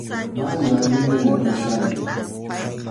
Mana allinllañam kachkarqan.